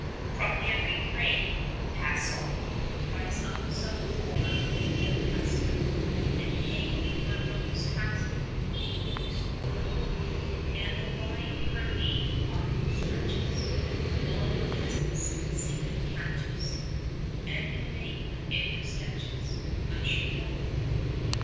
From every crag we pass 'll 45 Rise up some hoar old castle; The hanging fir groves tassel Every slope; And the vine her lithe arm stretches O'er peasants singing catches 50 And you'll make no end of sketches, I should hope.